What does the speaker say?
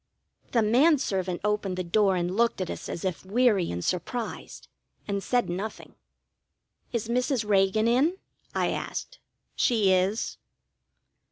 The man servant opened the door and looked at us as if weary and surprised, and said nothing. "Is Mrs. Reagan in?" I asked. "She is."